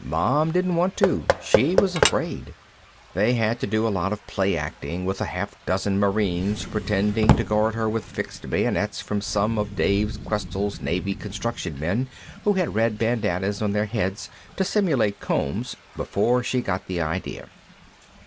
Mom didn't want to; she was afraid. They had to do a lot of play acting, with half a dozen Marines pretending to guard her with fixed bayonets from some of Dave Questell's Navy construction men who had red bandannas on their heads to simulate combs before she got the idea.